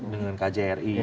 dengan kjri ya